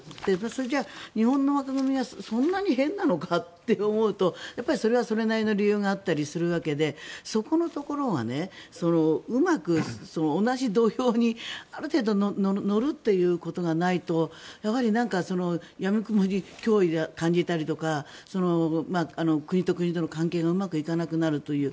じゃあ、日本の枠組みはそんなに変なのかって思うとそれはそれなりの理由があったりするわけでそこのところがうまく同じ土俵にある程度乗るということがないとやはりやみくもに脅威を感じたりとか国と国との関係がうまくいかなくなるという。